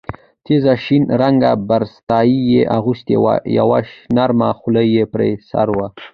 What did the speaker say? تېزه شین رنګه برساتۍ یې اغوستې وه، یوه نرمه خولۍ یې پر سر وه.